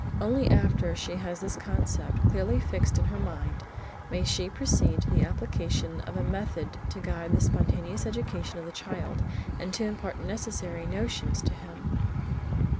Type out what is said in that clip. Only after she has this concept clearly fixed in her mind, may she proceed to the application of a method to guide the spontaneous education of the child and to impart necessary notions to him.